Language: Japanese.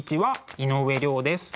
井上涼です。